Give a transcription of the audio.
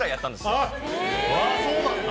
あっそうなんだ。